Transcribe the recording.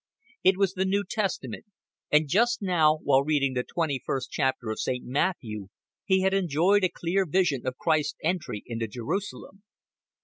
It was the New Testament; and just now, while reading the twenty first chapter of Saint Matthew, he had enjoyed a clear vision of Christ's entry into Jerusalem.